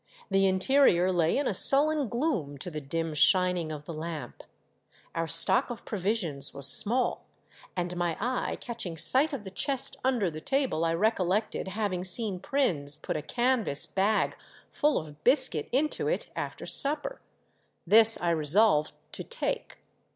The interior lay in a sullen gloom to the dim shining of the lamp. Our stock of provisions was small, and my eye catching sight of the chest under the table I recollected having seen Prins put a canvas bag full of biscuit into it after supper. This I resolved to take.